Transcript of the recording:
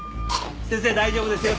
先生大丈夫ですよ。